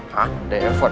hah daya fon